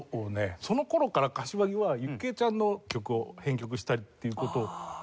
その頃から柏木は由紀江ちゃんの曲を編曲したりっていう事をやっていて。